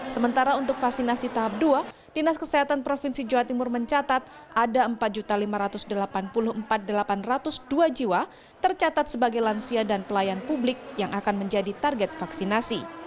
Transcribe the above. sementara untuk vaksinasi tahap dua dinas kesehatan provinsi jawa timur mencatat ada empat lima ratus delapan puluh empat delapan ratus dua jiwa tercatat sebagai lansia dan pelayan publik yang akan menjadi target vaksinasi